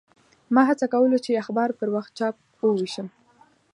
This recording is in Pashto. ما هڅه کوله چې اخبار پر وخت چاپ او ووېشم.